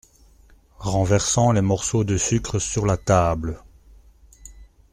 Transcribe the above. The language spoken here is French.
Renversant les morceaux de sucre sur la table.